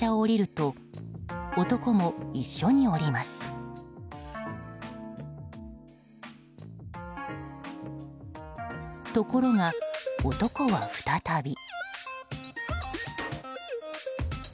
ところが、男は再び。